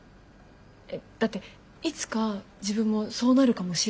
だっていつか自分もそうなるかもしれないわけで。